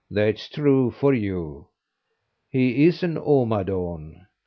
"That's true for you." "He is an omadawn."